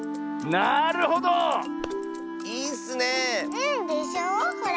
うんでしょほら。